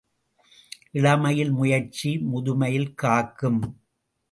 இளமையில் முயற்சி முதுமையில் காக்கும்.